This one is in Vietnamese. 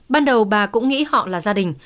ban đầu bà cũng nghĩ họ là gia đình